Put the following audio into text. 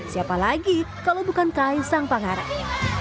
siapa lagi kalau bukan kai sang pangarang